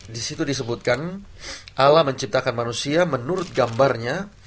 di situ disebutkan alam menciptakan manusia menurut gambarnya